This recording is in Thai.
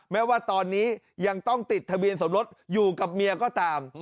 แม้ว่าตอนนี้ยังต้องติดทะเบียนสมรสอยู่กับเมียก็ตาม